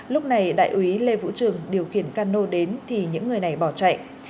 lúc này đại úy lê vũ trường điều khiển can nô đến thì những người này bỏ chạy